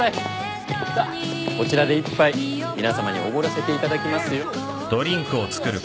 さあこちらで一杯皆さまにおごらせていただきますよ。